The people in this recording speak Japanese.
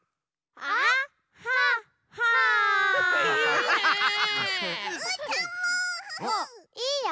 あっいいよ。